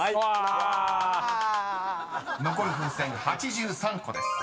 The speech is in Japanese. ［残る風船８３個です］